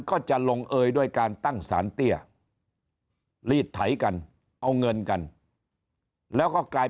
ก็จะลงเอยด้วยการตั้งสารเตี้ยลีดไถกันเอาเงินกันแล้วก็กลาย